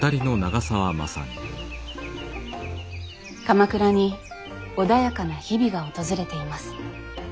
鎌倉に穏やかな日々が訪れています。